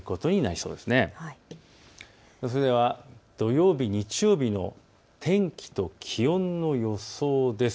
それでは土曜日、日曜日の天気と気温の予想です。